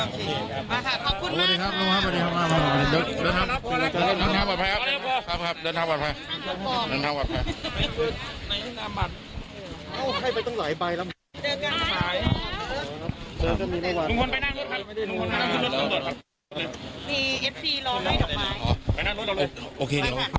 สวัสดีครับสวัสดีครับมาก